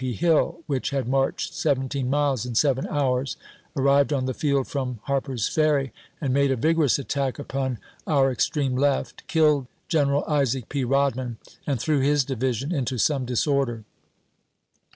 P. Hill, which had marched seventeen miles in seven hours, ar rived on the field from Harper's Ferry and made a vigorous attack upon our extreme left, killed Gen eral Isaac P. Rodman, and threw his division into some disorder.